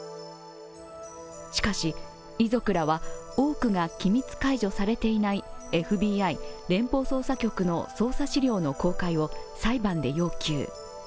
しかし、遺族らは多くが機密解除されていないＦＢＩ＝連邦捜査局の捜査資料の公開を裁判で要求。